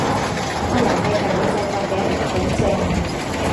個遊戲係你製作嘅？好正喎！